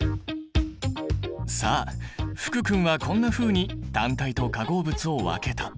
さあ福君はこんなふうに単体と化合物を分けた。